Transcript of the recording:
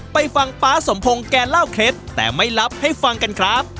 ไปฟังป๊าสมพงศ์แกเล่าเคล็ดแต่ไม่รับให้ฟังกันครับ